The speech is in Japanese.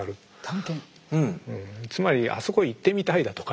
つまりあそこ行ってみたいだとか。